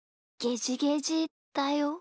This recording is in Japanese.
ゲジゲジだよ。